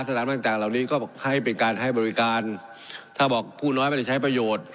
สถานต่างต่างเหล่านี้ก็ให้เป็นการให้บริการถ้าบอกผู้น้อยไม่ได้ใช้ประโยชน์